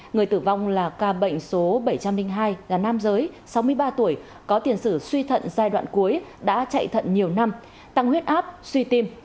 người tử vong là ca bệnh số bảy trăm linh hai là nam giới sáu mươi ba tuổi có tiền sử suy thận giai đoạn cuối đã chạy thận nhiều năm tăng huyết áp suy tim